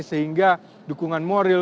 sehingga dukungan moral